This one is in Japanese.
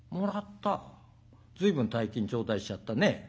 随分大金頂戴しちゃったね。